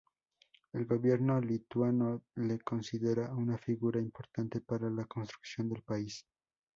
El gobierno lituano le considera una figura importante para la construcción del país.